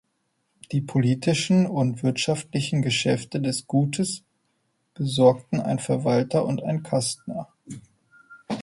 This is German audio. Die politischen und wirtschaftlichen Geschäfte des Gutes besorgten ein Verwalter und ein Kastner.